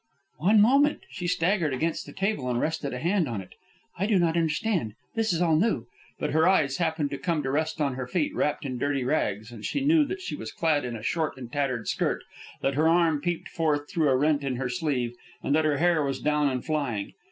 "One moment ..." She staggered against the table and rested a hand on it. "I do not understand. This is all new ..." But her eyes happened to come to rest on her feet, wrapped in dirty rags, and she knew that she was clad in a short and tattered skirt, that her arm peeped forth through a rent in her sleeve, and that her hair was down and flying.